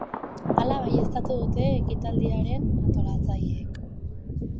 Hala baieztatu dute ekitaldiaren antolatzaileek.